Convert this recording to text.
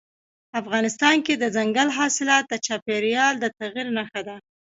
افغانستان کې دځنګل حاصلات د چاپېریال د تغیر نښه ده.